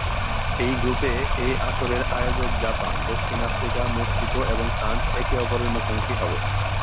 এই গ্রুপে এই আসরের আয়োজক জাপান, দক্ষিণ আফ্রিকা, মেক্সিকো এবং ফ্রান্স একে অপরের মুখোমুখি হবে।